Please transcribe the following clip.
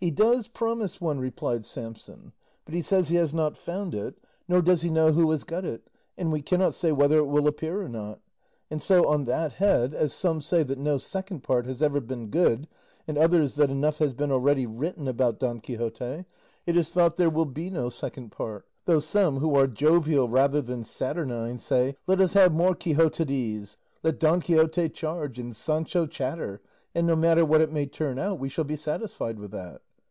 "He does promise one," replied Samson; "but he says he has not found it, nor does he know who has got it; and we cannot say whether it will appear or not; and so, on that head, as some say that no second part has ever been good, and others that enough has been already written about Don Quixote, it is thought there will be no second part; though some, who are jovial rather than saturnine, say, 'Let us have more Quixotades, let Don Quixote charge and Sancho chatter, and no matter what it may turn out, we shall be satisfied with that.